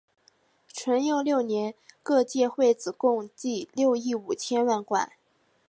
淳佑六年各界会子共计六亿五千万贯。